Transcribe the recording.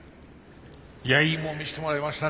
いやいいもん見せてもらいましたね。